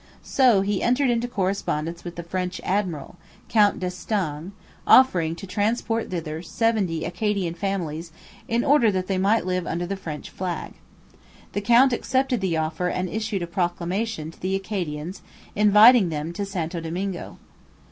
So he entered into correspondence with the French Admiral, Count d'Estaing, offering to transport thither seventy Acadian families in order that they might live under the French flag. The count accepted the offer and issued a proclamation to the Acadians inviting them to Santo Domingo.